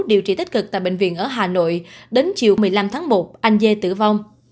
điều trị tích cực tại bệnh viện ở hà nội đến chiều một mươi năm tháng một anh dê tử vong